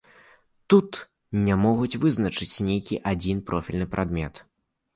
Тут не могуць вызначыць нейкі адзін профільны прадмет.